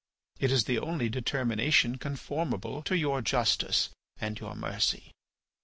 It is the only determination conformable to your justice and your mercy.